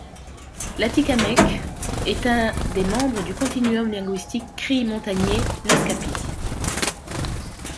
L'atikamekw est un des membres du continuum linguistique cri-montagnais-naskapi.